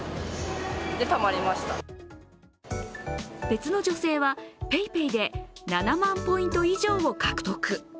別の女性はＰａｙＰａｙで７万ポイント以上を獲得。